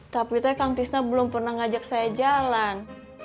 tapi teh kang tisna belum pernah ngajak saya jalan